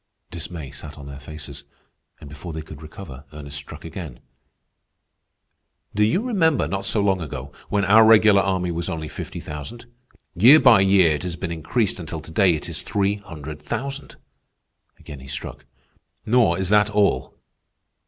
Dismay sat on their faces, and before they could recover, Ernest struck again. "Do you remember, not so long ago, when our regular army was only fifty thousand? Year by year it has been increased until to day it is three hundred thousand." Again he struck. "Nor is that all.